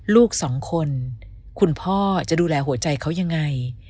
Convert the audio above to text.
ลูกสองคนคุณพ่อจะดูแลหัวใจเขายังไง